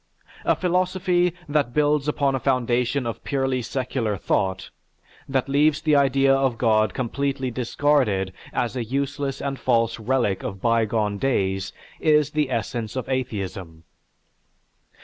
A philosophy that builds upon a foundation of purely secular thought, that leaves the idea of God completely discarded as a useless and false relic of bygone days, is the essence of atheism.